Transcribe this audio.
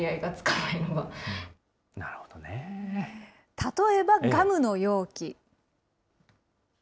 例えばガムの容器。